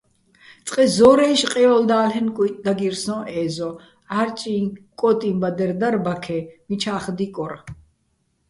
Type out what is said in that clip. წყე ზორა́ჲში̆ ყიოლდა́ლ'ენო̆ კუ́ჲტი̆ დაგირ სოჼ ე́ზო, ჺა́რჭიჼ კო́ტიჼბადერ დარ ბაქე, მიჩა́ხ დიკორ.